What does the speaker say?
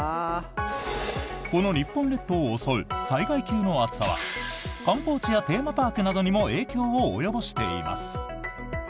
この日本列島を襲う災害級の暑さは観光地やテーマパークなどにも影響を及ぼしています。